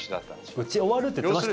打ち終わるって言ってました？